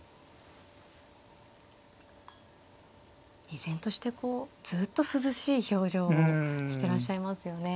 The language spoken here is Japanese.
依然としてこうずっと涼しい表情をしてらっしゃいますよね。